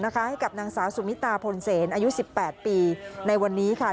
ให้กับนางสาวสุมิตาพลเซนอายุ๑๘ปีในวันนี้ค่ะ